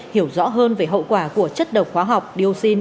hiểu rõ hơn về hậu quả của chất độc hóa học dioxin